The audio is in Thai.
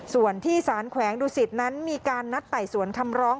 ส่วนที่สารแขวงดุสิตนั้นมีการนัดไต่สวนคำร้อง